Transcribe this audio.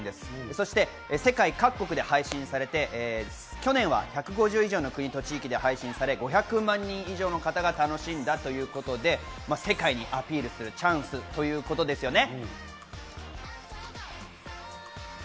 そして世界各国で配信されて去年は１５０以上の国と地域で配信され５００万人以上の方々が楽しんだということで世界にアピールするチャンスということですよね。